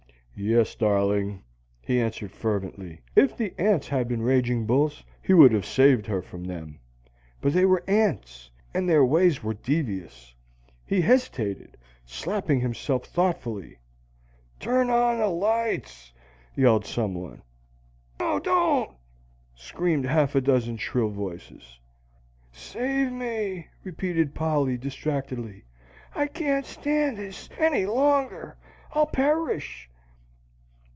"Yes, darling!" he answered fervently. If the ants had been raging bulls, he would have saved her from them; but they were ants, and their ways were devious. He hesitated, slapping himself thoughtfully. "Turn on the lights!" yelled some one. "No! Don't!" screamed half a dozen shrill voices. "Save me!" repeated Polly, distractedly. "I can't stand this any longer! I'll perish!"